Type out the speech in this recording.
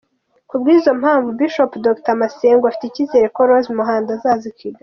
Kubw’izo mpamvu, Bishop Dr Masengo afite icyizere ko Rose Muhando azaza i Kigali.